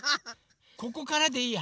ここからでいいや。